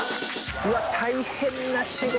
うわっ大変な仕事。